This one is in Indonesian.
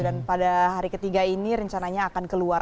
dan pada hari ketiga ini rencananya akan keluar